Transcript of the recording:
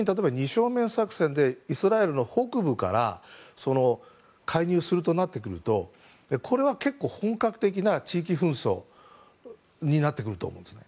正面作戦でイスラエルの北部から介入するとなってくるとこれは結構、本格的な地域紛争になってくると思います。